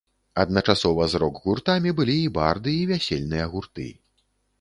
Адначасова з рок-гуртамі былі і барды, і вясельныя гурты.